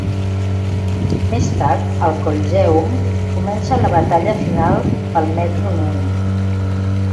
Més tard, al Coliseum, comença la batalla final pel Metru Nui.